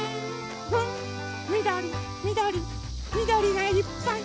みどりみどりみどりがいっぱい！